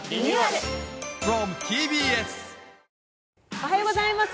おはようございます。